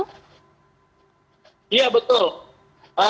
ya betul tadi baru satu lagi petugas menyevakuasi jenazah